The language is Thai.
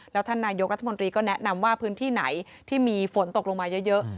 แล้วท่านนายกรัฐมนตรีก็แนะนำว่าพื้นที่ไหนที่มีฝนตกลงมาเยอะ